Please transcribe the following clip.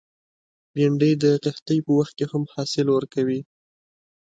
بېنډۍ د قحطۍ په وخت کې هم حاصل ورکوي